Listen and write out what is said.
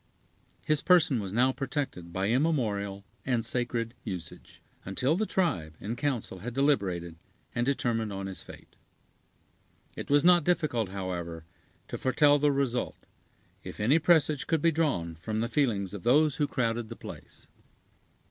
His person was now protected by immemorial and sacred usage, until the tribe in council had deliberated and determined on his fate. It was not difficult, however, to foretell the result, if any presage could be drawn from the feelings of those who crowded the place.